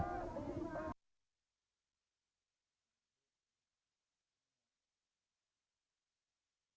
masa aksi ini masa fokus pada tujuh plus satu tuntutan